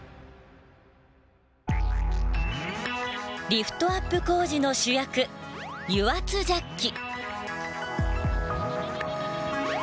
リフトアップ工事の主役油圧ジャッキ。